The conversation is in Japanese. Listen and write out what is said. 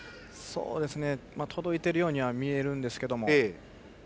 届いているようには見えるんですけれども。